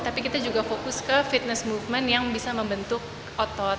tapi kita juga fokus ke fitness movement yang bisa membentuk otot